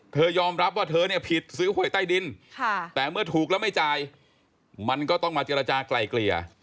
ยอมรับว่าเธอเนี่ยผิดซื้อหวยใต้ดินแต่เมื่อถูกแล้วไม่จ่ายมันก็ต้องมาเจรจากลายเกลี่ย